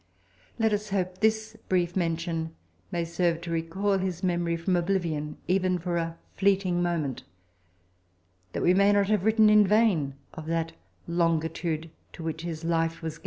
Let us hope this brief mention may serve to recall his memory from oblivion even for a fleeting moment; that we may not have written in vain of that longitude to which his life was given.